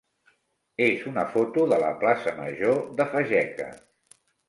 és una foto de la plaça major de Fageca.